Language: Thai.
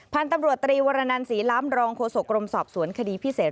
พันธุ์ตำรวจตรีวรนันศรีล้ำรองโฆษกรมสอบสวนคดีพิเศษ